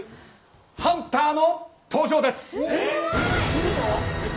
ハンターの登場です。